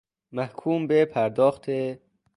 محکوم به پرداخت...